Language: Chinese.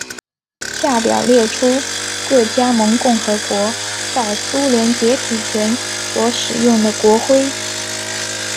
下表列出各加盟共和国在苏联解体前所使用的国徽。